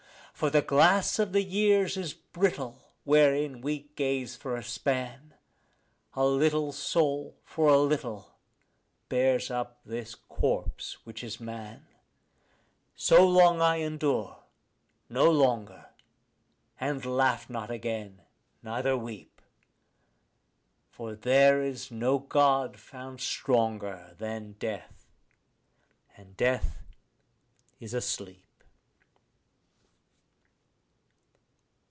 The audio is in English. For the glass of the years is brittle wherein we gaze for a span; A little soul for a little bears up this corpse which is man. So long I endure, no longer; and laugh not again, neither weep. For there is no God found stronger than death; and death is a sleep.